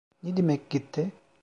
Ne demek gitti?